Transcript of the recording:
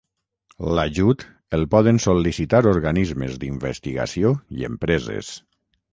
L'ajut el poden sol·licitar organismes d'investigació i empreses.